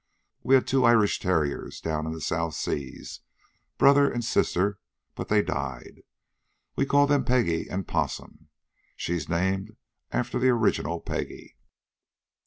"We had two Irish terriers down in the South Seas, brother and sister, but they died. We called them Peggy and Possum. So she's named after the original Peggy."